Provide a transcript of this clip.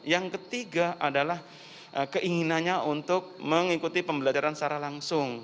yang ketiga adalah keinginannya untuk mengikuti pembelajaran secara langsung